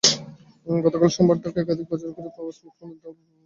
গতকাল সোমবার ঢাকার একাধিক বাজার ঘুরে পাওয়া স্মার্টফোনের দাম নিচে দেওয়া হলো।